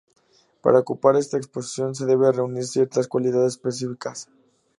Para ocupar esta posición se deben reunir ciertas cualidades específicas.